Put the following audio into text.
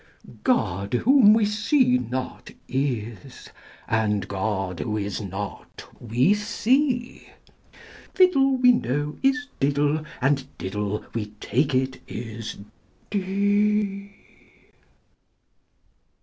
God, whom we see not, is: and God, who is not, we see: Fiddle, we know, is diddle: and diddle, we take it, is dee.